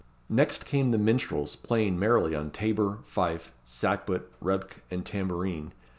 Next came the minstrels, playing merrily on tabor, fife, sacbut, rebec, and tambourine.